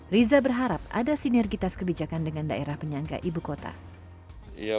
riza berharap ada sinergitas kebijakan dengan daerah penyangga ibu kota